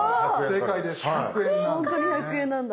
本当に１００円なんだ。